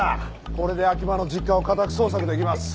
これで秋葉の実家を家宅捜索できます。